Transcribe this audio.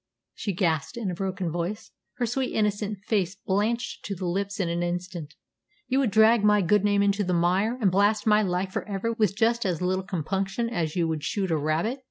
she gasped in a broken voice, her sweet, innocent face blanched to the lips in an instant. "You would drag my good name into the mire, and blast my life for ever with just as little compunction as you would shoot a rabbit.